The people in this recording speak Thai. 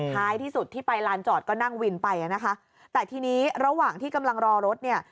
ท้ายที่สุดที่ไปลานจอดก็นั่งวินไปอ่ะนะคะแต่ทีนี้ระหว่างที่กำลังรอรถเนี่ย